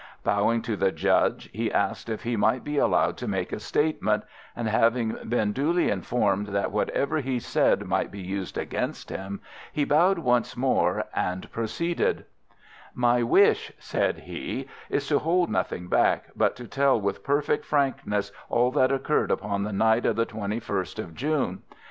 Bowing to the judge, he asked if he might be allowed to make a statement, and having been duly informed that whatever he said might be used against him, he bowed once more, and proceeded:— "My wish," said he, "is to hold nothing back, but to tell with perfect frankness all that occurred upon the night of the 21st of June.